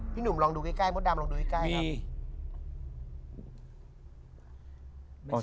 หนุ่มลองดูใกล้มดดำลองดูใกล้ครับ